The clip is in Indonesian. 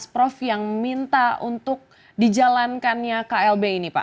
berapa banyak asprof yang minta untuk dijalankannya klb ini pak